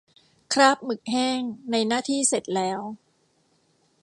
คราบหมึกแห้ง ในหน้าที่เสร็จแล้ว